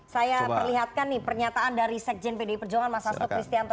saya perlihatkan nih pernyataan dari sekjen pdi perjuangan mas hasto kristianto